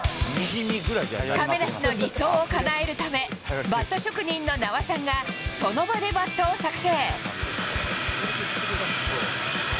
亀梨の理想をかなえるため、バット職人の名和さんがその場でバットを作製。